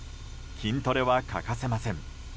筋トレは欠かせません。